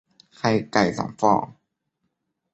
ไข่ไก่สองฟอง